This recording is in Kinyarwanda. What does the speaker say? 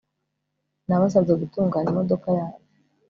Nabasabye gutunganya imodoka yanjye